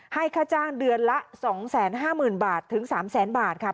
ให้ค่าจ้างเดือนละ๒๕๐๐๐๐บาทถึง๓๐๐๐๐๐บาทค่ะ